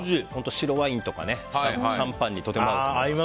白ワインとかシャンパンにとても合うと思います。